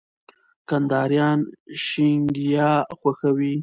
کندهاريان شينګياه خوښوي